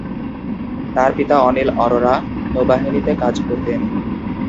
তার পিতা অনিল অরোরা নৌবাহিনীতে কাজ করতেন।